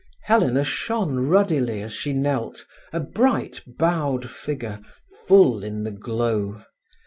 Helena shone ruddily as she knelt, a bright, bowed figure, full in the glow.